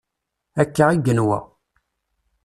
Akka i yenwa.